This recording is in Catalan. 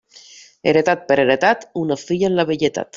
Heretat per heretat, una filla en la velledat.